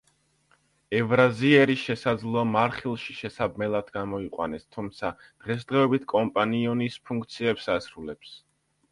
ევრაზიერი, შესაძლოა, მარხილში შესაბმელად გამოიყვანეს, თუმცა დღესდღეობით კომპანიონის ფუნქციებს ასრულებს.